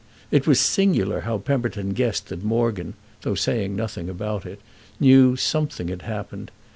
It was singular how Pemberton guessed that Morgan, though saying nothing about it, knew something had happened.